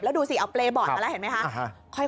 แล้วดูสิเอาเปรย์บอร์ดมาแล้วเห็นไหมคะ